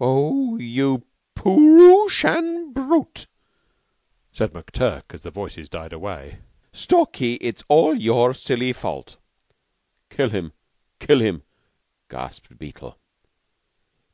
"Oh, you Prooshan brute!" said McTurk as the voices died away. "Stalky, it's all your silly fault." "Kill him! Kill him!" gasped Beetle.